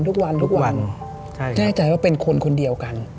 ใช่ครับแน่ใจว่าเป็นคนคนเดียวกัน